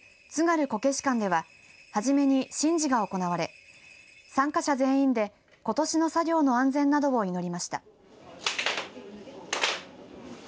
津軽こけし館では、初めに神事が行われ参加者全員で、ことしの作業の安全などを祈りました。